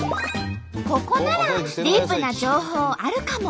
ここならディープな情報あるかも！